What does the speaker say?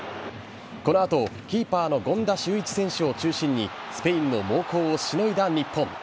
この後キーパーの権田修一選手を中心にスペインの猛攻をしのいだ日本。